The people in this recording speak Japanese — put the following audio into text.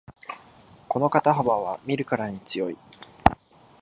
この肩幅は見るからに強い